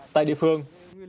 tại địa phương